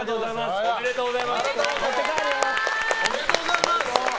おめでとうございます。